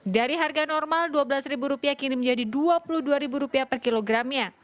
dari harga normal rp dua belas kini menjadi rp dua puluh dua per kilogramnya